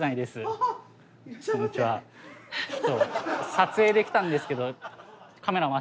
撮影で来たんですけど。